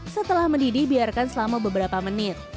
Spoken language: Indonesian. setelah mendidih biarkan selama beberapa menit